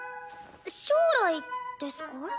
将来ですか？